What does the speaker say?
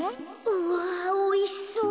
うわおいしそう。